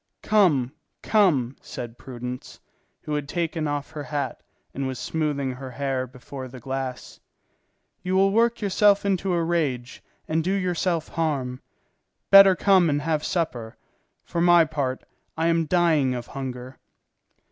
"Come, come," said Prudence, who had taken off her hat and was smoothing her hair before the glass, "you will work yourself into a rage and do yourself harm. Better come and have supper; for my part, I am dying of hunger."